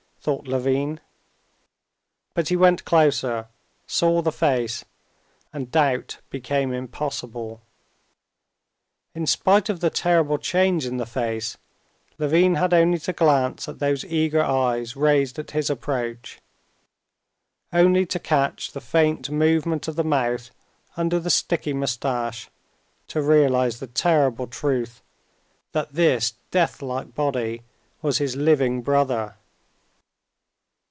thought Levin. But he went closer, saw the face, and doubt became impossible. In spite of the terrible change in the face, Levin had only to glance at those eager eyes raised at his approach, only to catch the faint movement of the mouth under the sticky mustache, to realize the terrible truth that this death like body was his living brother.